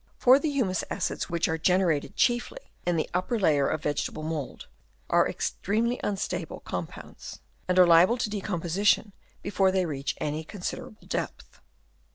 For the humus acids which are generated chiefly in the upper layer of vegetable mould, are extremely unstable com pounds, and are liable to decomposition before they reach any considerable depth.